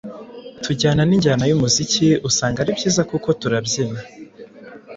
tujyana n’injyana y’umuziki. Usanga ari byiza kuko turabyina